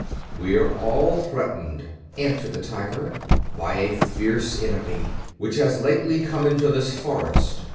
"We are all threatened," answered the tiger, "by a fierce enemy which has lately come into this forest.